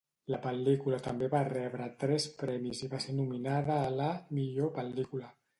La pel·lícula també va rebre tres premis i va ser nominada a la "Millor Pel·lícula".